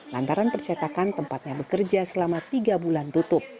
lantaran percetakan tempatnya bekerja selama tiga bulan tutup